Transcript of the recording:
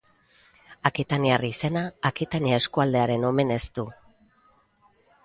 Akitaniar izena Akitania eskualdearen omenez du.